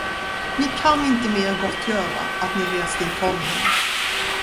Ni kan inte mer gottgöra, att ni reste ifrån henne.